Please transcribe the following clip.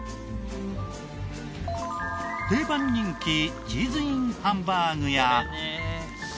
定番人気チーズＩＮハンバーグや。